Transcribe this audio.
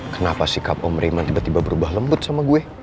kenapa sikap om reman tiba tiba berubah lembut sama gue